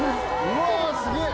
うわすげぇ！